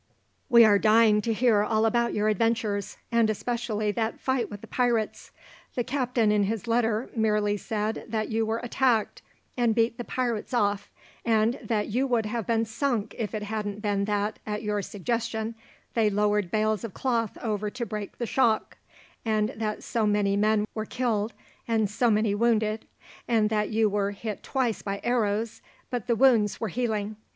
We are dying to hear all about your adventures, and especially that fight with the pirates. The captain, in his letter, merely said that you were attacked and beat the pirates off, and that you would have been sunk if it hadn't been that, at your suggestion, they lowered bales of cloth over to break the shock; and that so many men were killed and so many wounded; and that you were hit twice by arrows, but the wounds were healing.